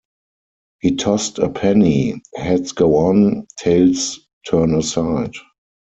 He tossed a penny — heads go on, tails turn aside.